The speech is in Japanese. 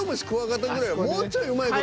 もうちょいうまい事。